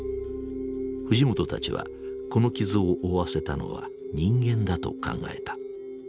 藤本たちはこの傷を負わせたのは人間だと考えた。